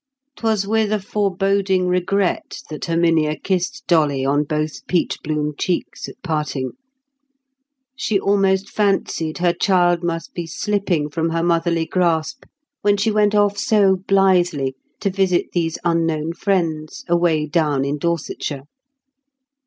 'Twas with a foreboding regret that Herminia kissed Dolly on both peach bloom cheeks at parting. She almost fancied her child must be slipping from her motherly grasp when she went off so blithely to visit these unknown friends, away down in Dorsetshire.